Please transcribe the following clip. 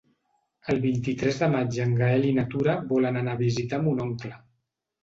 El vint-i-tres de maig en Gaël i na Tura volen anar a visitar mon oncle.